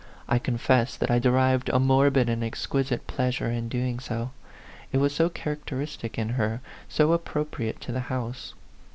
I confess that I derived a morbid and exquisite pleasure in doing so : it was so characteristic in her, so appropriate to the house